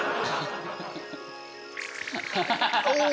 おお。